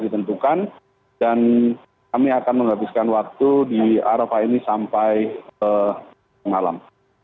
ditentukan dan kami akan menghabiskan waktu di arofah ini sampai ke pengalam